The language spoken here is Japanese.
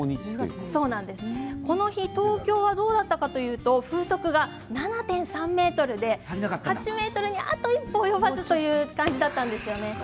この日、東京はどうだったかといいますと風速が７．３ｍで８ｍにあと一歩及ばずという感じだったんですよね。